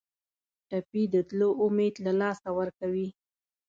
ټپي د تلو امید له لاسه ورکوي.